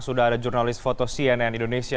sudah ada jurnalis foto cnn indonesia